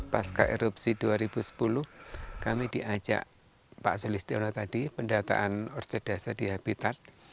pasca erupsi dua ribu sepuluh kami diajak pak selistiono tadi pendataan orcedesa di habitat